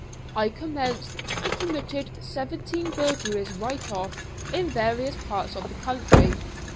I commenced, and committed seventeen burglaries right off, in various parts of the country.